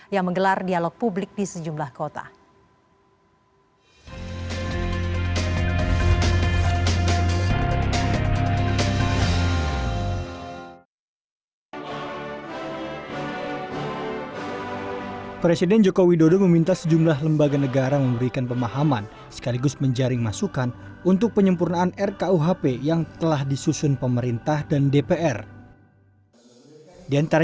yang menggelar dialog publik di sejumlah kota